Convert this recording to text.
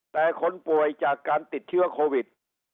แต่คนป่วยจากการติดเชื้อโควิด